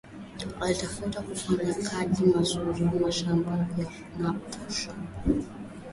Ukitafuta kufanya kaji muzuri ya mashamba uza mposholo